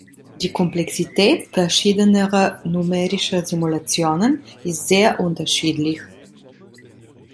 Die Komplexität verschiedener numerischer Simulationen ist sehr unterschiedlich.